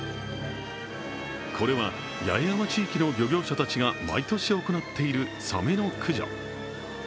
これは八重山地域の漁業者たちが毎年行っているサメの駆除。